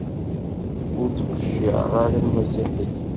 Ur ttqecciɛ ara lmasiḥ-ik.